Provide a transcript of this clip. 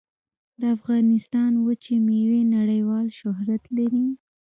د افغانستان وچې میوې نړیوال شهرت لري